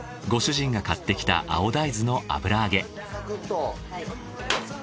ご主人が買ってきた青大豆の油揚げ。